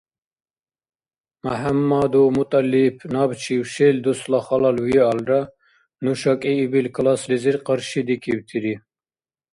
МяхӀяммадов МутӀалип набчив шел дусла халал виалра, нуша кӀиибил класслизир къаршидикибтири.